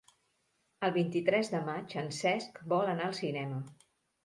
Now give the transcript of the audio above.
El vint-i-tres de maig en Cesc vol anar al cinema.